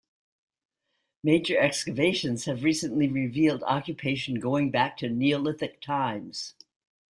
Major excavations have recently revealed occupation going back to Neolithic times.